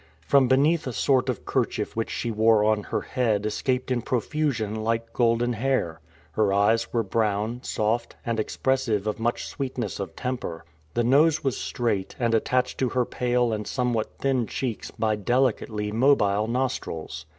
From beneath a sort of kerchief which she wore on her head escaped in profusion light golden hair. Her eyes were brown, soft, and expressive of much sweetness of temper. The nose was straight, and attached to her pale and somewhat thin cheeks by delicately mobile nostrils.